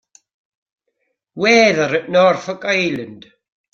Weather at Norfolk Island